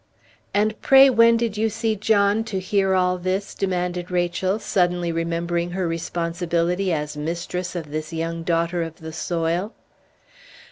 "And pray when did you see John to hear all this?" demanded Rachel, suddenly remembering her responsibility as mistress of this young daughter of the soil.